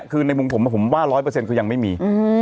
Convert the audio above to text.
คือในมุมผมผมว่า๑๐๐คือยังไม่มี